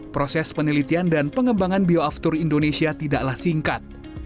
proses penelitian dan pengembangan bioaftur indonesia tidaklah singkat